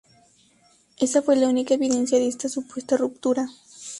Esa fue la única evidencia de esta supuesta ruptura.